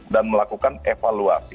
dan melakukan penyelenggara acara